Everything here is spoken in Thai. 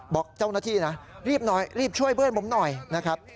บอกเจ้าหน้าที่นะรีบหน่อยรีบช่วยเพื่อนผมหน่อยนะครับ